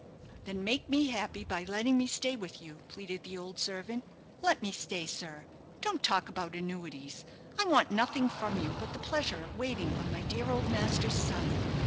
"Then make me happy by letting me stay with you," pleaded the old servant. "Let me stay, sir. Don't talk about annuities. I want nothing from you but the pleasure of waiting on my dear old master's son.